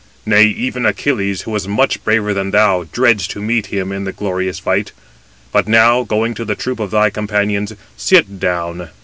Nay, even Achilles, who is much braver than thou, dreads to meet him 256 in the glorious fight. But now, going to the troop of thy companions, sit down.